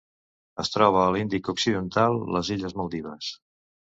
Es troba a l'Índic occidental: les illes Maldives.